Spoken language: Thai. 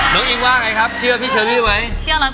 อิงว่าไงครับเชื่อพี่เชอรี่ไหม